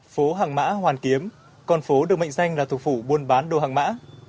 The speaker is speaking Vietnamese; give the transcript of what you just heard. phố hàng mã hoàn kiếm con phố được mệnh danh là thủ phủ buôn bán đồ hàng mã